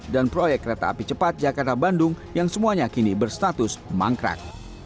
dan proyek kereta api cepat jakarta bandung yang semuanya kini berstatus mangkrak